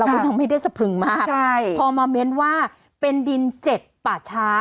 เราก็ยังไม่ได้สะพึงมากพอมาเมนต์ว่าเป็นดินเจ็ดป่าช้า